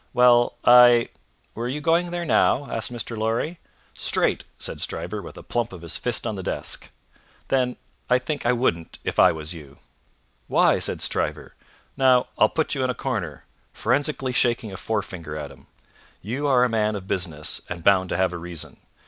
"Well! I Were you going there now?" asked Mr. Lorry. "Straight!" said Stryver, with a plump of his fist on the desk. "Then I think I wouldn't, if I was you." "Why?" said Stryver. "Now, I'll put you in a corner," forensically shaking a forefinger at him. "You are a man of business and bound to have a reason.